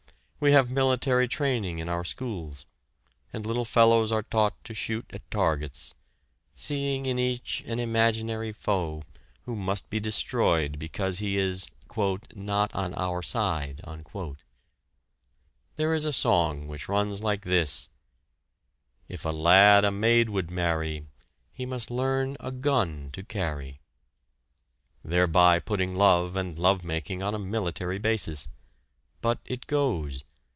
We have military training in our schools; and little fellows are taught to shoot at targets, seeing in each an imaginary foe, who must be destroyed because he is "not on our side." There is a song which runs like this: If a lad a maid would marry He must learn a gun to carry. thereby putting love and love making on a military basis but it goes!